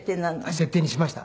設定にしました。